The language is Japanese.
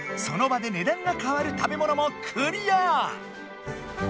「その場で値段が変わる食べもの」もクリア！